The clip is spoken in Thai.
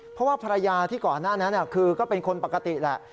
เพราะว่าภรรยาที่ก่อนหน้านั้นคือก็เป็นคนปกติแหละ